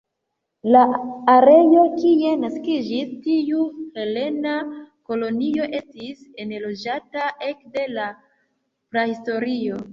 La areo kie naskiĝis tiu helena kolonio estis enloĝata ekde la prahistorio.